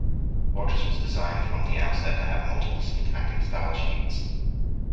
Fortress was designed from the outset to have multiple syntactic stylesheets.